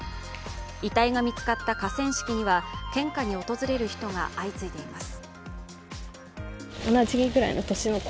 遺体が見つかった河川敷には献花に訪れる人が相次いでいます。